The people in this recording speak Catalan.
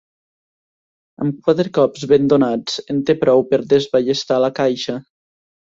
Amb quatre cops ben donats en té prou per desballestar la caixa.